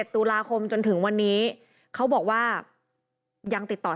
๗ตุลาคมจนถึงวันนี้